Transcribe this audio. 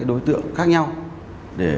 đối tượng khác nhau để